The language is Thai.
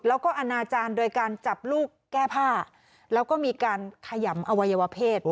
แล้วก็อนาจารย์โดยการจับลูกแก้ผ้าแล้วก็มีการขยำอวัยวเพศ